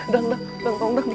dang dang dikit dang